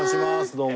どうも。